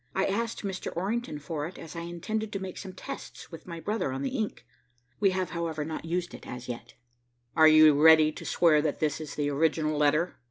"I asked Mr. Orrington for it, as I intended to make some tests with my brother on the ink. We have, however, not used it as yet." "You are ready to swear that this is the original letter?"